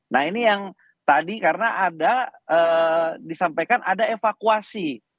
nah ini yang tadi karena ada disampaikan ada evakuasi